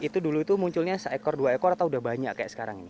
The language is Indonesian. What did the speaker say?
itu dulu itu munculnya seekor dua ekor atau udah banyak kayak sekarang ini